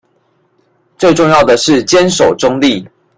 最重要的是堅守中立